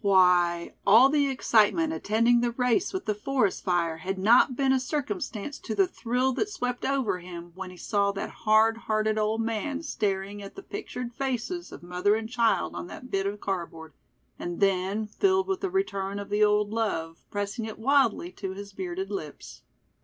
Why, all the excitement attending the race with the forest fire had not been a circumstance to the thrill that swept over him when he saw that hard hearted old man staring at the pictured faces of mother and child on that bit of cardboard, and then, filled with a return of the old love, pressing it wildly to his bearded lips.